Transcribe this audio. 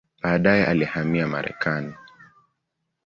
Baadaye alihamia Marekani.